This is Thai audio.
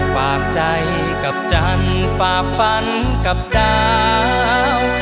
ฝากใจกับจันทร์ฝากฝันกับดาว